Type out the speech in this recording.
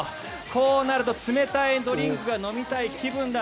こうなると冷たいドリンクが飲みたい気分だ。